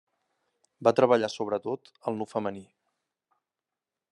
Va treballar sobretot el nu femení.